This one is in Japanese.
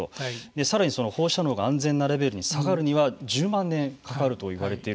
さらに、その放射能が安全なレベルに下がるには１０万年かかるといわれている。